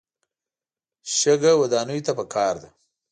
شګه ودانیو ته پکار ده.